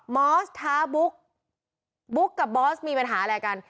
มอสท้าบุ๊กบุ๊กกับบอสมีปัญหาอะไรกัน